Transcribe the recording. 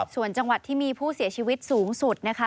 ส่วนจังหวัดที่มีผู้เสียชีวิตสูงสุดนะคะ